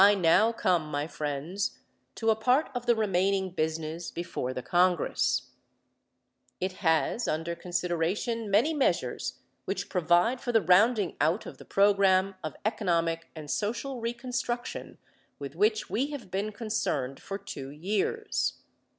I now come, my friends, to a part of the remaining business before the Congress. It has under consideration many measures which provide for the rounding out of the program of economic and social reconstruction with which we have been concerned for two years.